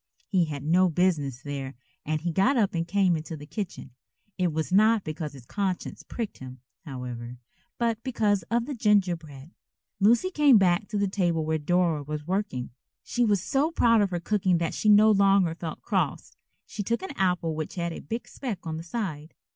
He had no business there and he got up and came into the kitchen. It was not because his conscience pricked him, however, but because of the gingerbread. Lucy came back to the table where Dora was working. She was so proud of her cooking that she no longer felt cross. She took an apple which had a big speck on the side.